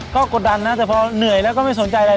ก็กดดันนะแต่พอเหนื่อยแล้วก็ไม่สนใจอะไร